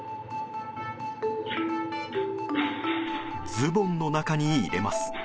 ズボンの中に入れます。